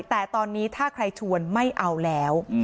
แต่ตอนนี้ถ้าใครชวนไม่เอาแล้ว